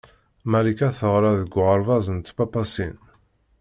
Malika teɣra deg uɣerbaz n Tpapasin.